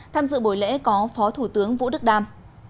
tham dự buổi lễ có phó thủ tướng vũ đức đam